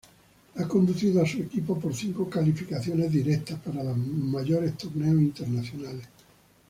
Ha conducido a su equipo por cinco calificaciones directas para los mayores torneos internacionales.